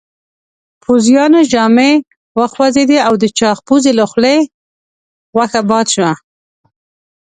پوځيانو ژامې وخوځېدې او د چاغ پوځي له خولې غوښه باد شوه.